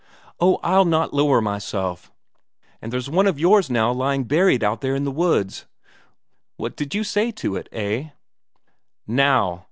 "Oh, I'll not lower myself.... But there's one of yours now lying buried out there in the woods what did you do to it, eh?" "Now